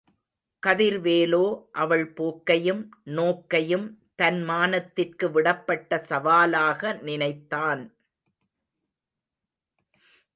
கதிர்வேலோ அவள் போக்கையும், நோக்கையும் தன்மானத்திற்கு விடப்பட்ட சவாலாக நினைத்தான்.